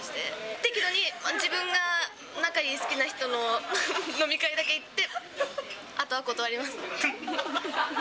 適度に、自分が仲いい好きな人の飲み会だけ行って、あとは断ります！